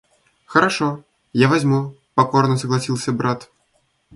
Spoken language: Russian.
— Хорошо, я возьму, — покорно согласился брат.